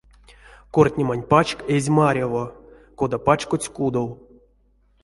Кортнемань пачк эзь маряво, кода пачкодсть кудов.